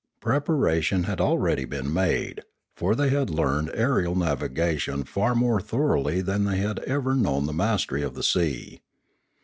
Preparation had already been made; for they had learned aerial navigation far more thoroughly than they had ever known the mastery of the sea.